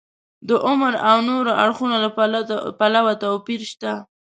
د عمر او نورو اړخونو له پلوه توپیر شته.